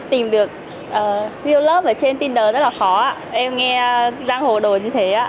tìm được yêu ở trên tinder rất là khó em nghe giang hồ đồn như thế